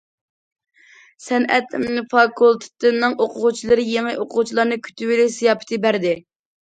سەنئەت فاكۇلتېتىنىڭ ئوقۇغۇچىلىرى يېڭى ئوقۇغۇچىلارنى كۈتۈۋېلىش زىياپىتى بەردى.